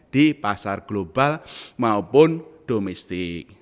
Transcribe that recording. di pasar global maupun domestik